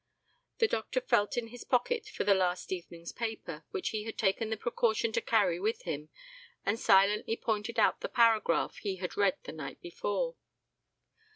The doctor felt in his pocket for the last evening's paper, which he had taken the precaution to carry with him, and silently pointed out the paragraph he had read the night before.